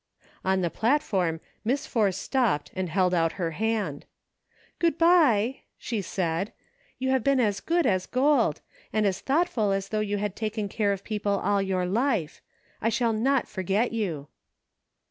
On the platform Miss Force stopped and held out her hand. "Good by !" she said ; "you have been as good as gold ; and as thoughtful as though you had taken care of people all your life. I shall not for get you."